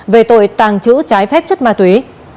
về tội tàng trữ trái phép chất ma túy